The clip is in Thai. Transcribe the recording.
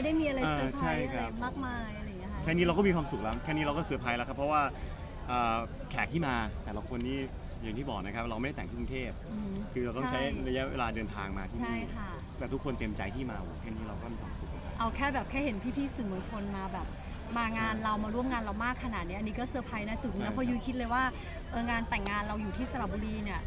สีชะพูสีชะพูสีชะพูสีชะพูสีชะพูสีชะพูสีชะพูสีชะพูสีชะพูสีชะพูสีชะพูสีชะพูสีชะพูสีชะพูสีชะพูสีชะพูสีชะพูสีชะพูสีชะพูสีชะพูสีชะพูสีชะพูสีชะพูสีชะพูสีชะพูสีชะพูสีชะพูสีชะพูสีชะพูสีชะพูสีชะพูสีชะ